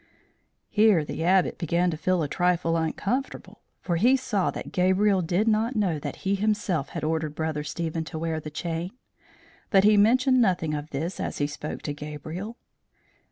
Here the Abbot began to feel a trifle uncomfortable, for he saw that Gabriel did not know that he himself had ordered Brother Stephen to wear the chain. But he mentioned nothing of this as he spoke to Gabriel.